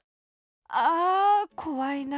あこわいな。